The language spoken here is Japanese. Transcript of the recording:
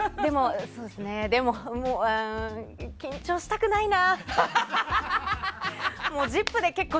でも、緊張したくないな。